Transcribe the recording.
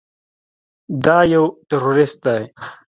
دا يو ټروريست دى.